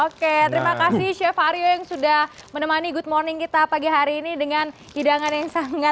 oke terima kasih chef aryo yang sudah menemani good morning kita pagi hari ini dengan hidangan yang sangat